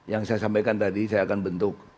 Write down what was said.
yang saya sampaikan tadi saya akan bentuk